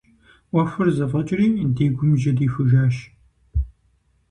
Ӏуэхур зэфӀэкӀри, ди гум жьы дихужащ.